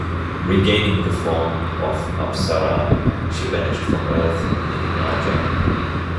Regaining the form of apsara, she vanished from earth leaving Aja.